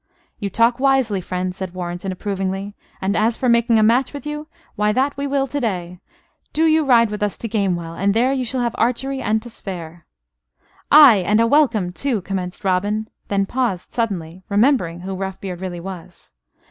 "You talk wisely, friend," said Warrenton, approvingly, "and, as for making a match with you, why, that will we to day. Do you ride with us to Gamewell and there you shall have archery and to spare." "Ay, and a welcome, too!" commenced Robin; then paused suddenly, remembering who Roughbeard really was.